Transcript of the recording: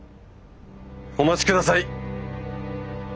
お待ちください。